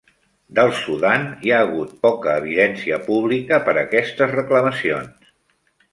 Del Sudan hi ha hagut poca evidència pública per aquestes reclamacions.